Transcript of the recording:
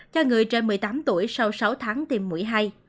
cho người trên một mươi tám tuổi sau sáu tháng tiêm mũi hai